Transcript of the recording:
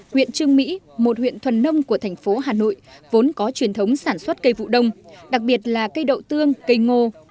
huyện trương mỹ một huyện thuần nông của thành phố hà nội vốn có truyền thống sản xuất cây vụ đông đặc biệt là cây đậu tương cây ngô